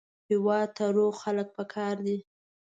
هېواد ته روغ خلک پکار دي